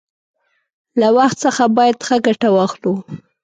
له وخت څخه باید ښه گټه واخلو.